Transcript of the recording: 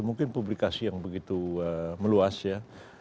mungkin publikasi yang begitu meluas ya